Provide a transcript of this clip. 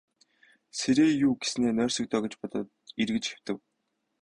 Сэрээе юү гэснээ нойрсог доо гэж бодоод эргэж хэвтэв.